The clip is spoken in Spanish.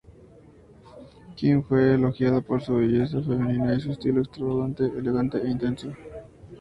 Kim fue elogiada por su belleza femenina y su estilo extravagante, elegante e intenso.